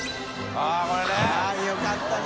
あぁよかったね